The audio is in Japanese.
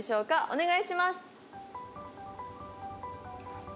お願いします。